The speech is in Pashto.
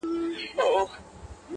قاضي وکړه فيصله چي دى په دار سي،